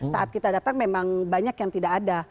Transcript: saat kita datang memang banyak yang tidak ada